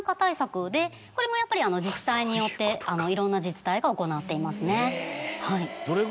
これもやっぱり自治体によっていろんな自治体が行っていますね。